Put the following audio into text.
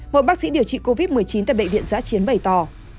một bác sĩ điều trị covid một mươi chín tại bệnh viện giã chiến bày tỏ